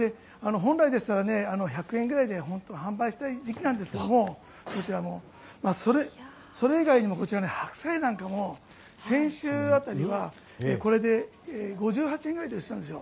本来ですと１００円ぐらいで本当は販売したい時期なんですがそれ以外にも白菜なんかも先週辺りはこれで５８円ぐらいだったんですよ。